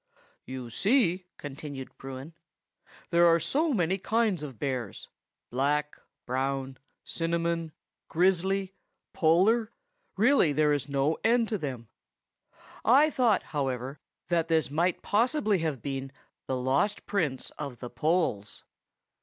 "You see," continued Bruin, "there are so many kinds of bears,—black, brown, cinnamon, grizzly, polar,—really, there is no end to them. I thought, however, that this might possibly have been the Lost Prince of the Poles."